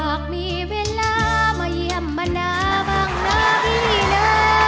อยากมีเวลามาเยี่ยมมะนาบ้างนะพี่นะ